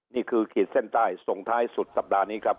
ขีดเส้นใต้ส่งท้ายสุดสัปดาห์นี้ครับ